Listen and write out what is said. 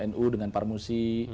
nu dengan parmusi